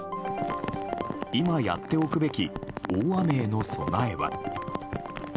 今やっておくべき大雨への備えは。